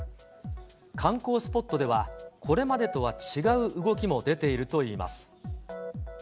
観光スポットでは、これまでとは違う動きも出ているといいます。